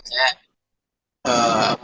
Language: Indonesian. saya arti terakhirnya putus